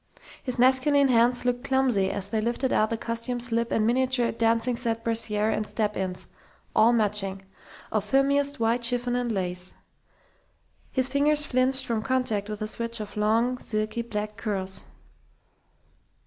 His masculine hands looked clumsy as they lifted out the costume slip and miniature "dancing set" brassiere and step ins all matching, of filmiest white chiffon and lace. His fingers flinched from contact with the switch of long, silky black curls....